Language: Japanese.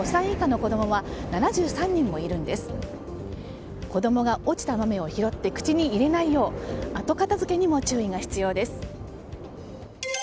子供が落ちた豆を拾って口に入れないよう後片付けにも注意が必要です。